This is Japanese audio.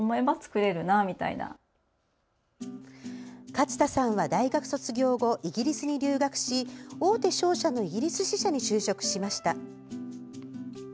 勝田さんは大学卒業後イギリスに留学し大手商社のイギリス支社に就職しました。